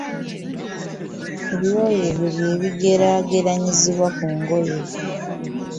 Ebyoya ebyo bye bigeraageranyizibwa ku ngoye.